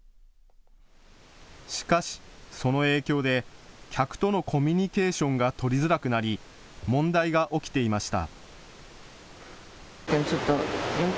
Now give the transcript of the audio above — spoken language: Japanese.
しかし、その影響で客とのコミュニケーションが取りづらくなり問題が起きていました。